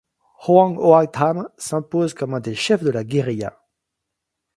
Hoàng Hoa Thám s'impose comme un des chefs de la guérilla.